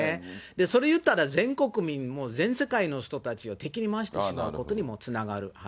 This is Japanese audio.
それいったら、全国民、全世界の人たちを敵に回してしまうことにもつながる。